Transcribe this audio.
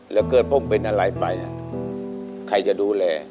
แล้วเกิดผมเป็นอะไรไปใครจะดูแล